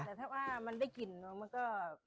แต่ถ้าว่ามันได้กลิ่นเนอะมันก็